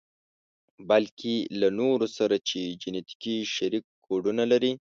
بلکې له نورو سره چې جنتیکي شريک کوډونه لري.